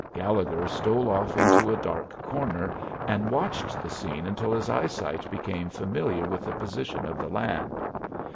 Gallegher stole off into a dark corner, and watched the scene until his eyesight became familiar with the position of the land.